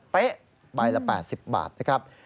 เป๊ะใบละ๘๐บาทนะครับ